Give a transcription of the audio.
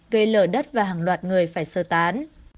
cây lở đất và hàng loạt người phải sơ tán